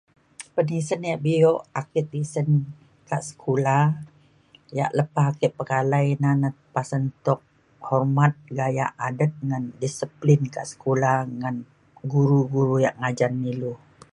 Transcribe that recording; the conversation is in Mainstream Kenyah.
penisen ia’ bio ake tisen ka sekula ia’ lepa ake pekalai na na pasen tuk hormat gayak adet ngan disiplin ka sekula ngan guru guru ia’ ngajan ilu